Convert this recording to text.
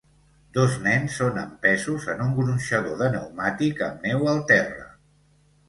Dos nens són empesos en un gronxador de pneumàtic amb neu al terra.